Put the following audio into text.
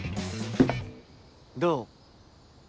どう？